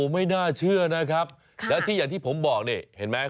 ไม่น่าเชื่อนะครับและที่ผมบอกเนี่ยเห็นไหม